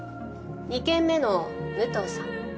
２件目の武藤さん